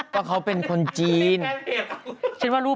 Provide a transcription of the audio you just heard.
ก็เขาเป็นคนจีน